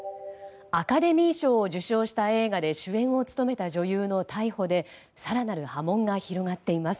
アカデミー賞を受賞した映画で主演を務めた女優の逮捕で更なる波紋が広がっています。